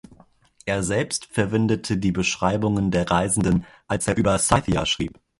Er selbst verwendete die Beschreibungen der Reisenden, als er über "Scythia" schrieb.